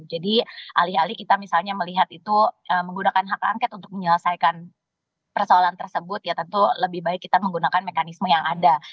jadi alih alih kita misalnya melihat itu menggunakan hak angket untuk menyelesaikan persoalan tersebut ya tentu lebih baik kita menggunakan mekanisme yang ada